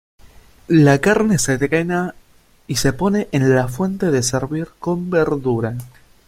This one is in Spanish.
La carne se drena y se pone en la fuente de servir con verdura.